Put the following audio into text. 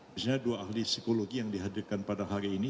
misalnya dua ahli psikologi yang dihadirkan pada hari ini